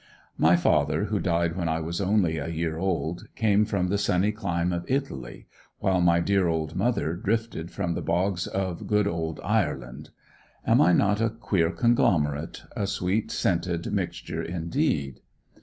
My father who died when I was only a year old, came from the sunny clime of Italy, while my dear old mother drifted from the Boggs of good "ould" Ireland. Am I not a queer conglomerate a sweet scented mixture indeed!